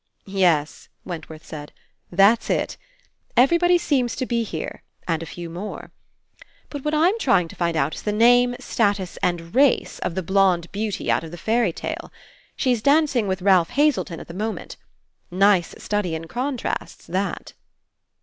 'Tes," Wentworth said, "that's it. Everybody seems to be here and a few more. But what I'm trying to find out is the name, status, and race of the blonde beauty out of the fairy tale. She's dancing with Ralph Hazelton at the moment. Nice study in contrasts, that."